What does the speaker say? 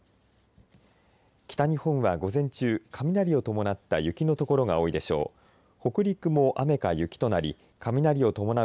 北日本は午前中雷を伴った雪の所が多いでしょう。